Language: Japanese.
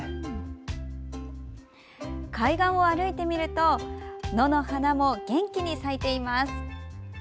海岸を歩いてみると野の花も元気に咲いています。